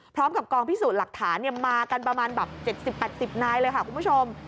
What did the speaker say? พร้อมกับกองพิสูจน์หลักฐานมากันประมาณแบบ๗๐๘๐นายเลยค่ะคุณผู้ชม